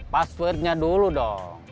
passwordnya dulu dong